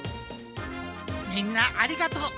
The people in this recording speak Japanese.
みんなありがとう！